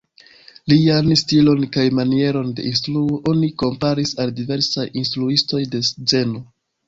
Lian stilon kaj manieron de instruo oni komparis al diversaj instruistoj de zeno.